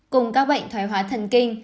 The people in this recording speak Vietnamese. cùng các bệnh thải hóa thần kinh